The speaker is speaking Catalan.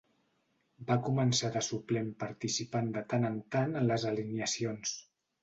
Va començar de suplent participant de tant en tant en les alineacions.